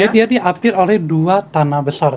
jadi dia diapir oleh dua tanah besar